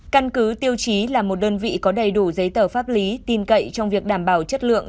căn cứ tiêu chí là một đơn vị có đầy đủ giấy tờ pháp lý tin cậy trong việc đảm bảo chất lượng